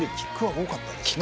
多かったですね。